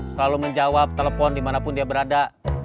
selalu menjawab telepon dimanapun dia berada